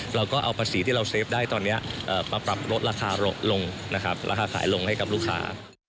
เราก็เอาภาษีที่เราเซฟได้ตอนนี้มาปรับลดราคาลงนะครับราคาขายลงให้กับลูกค้า